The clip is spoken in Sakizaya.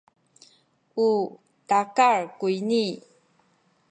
u takal kuyni